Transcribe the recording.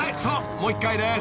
もう一回です］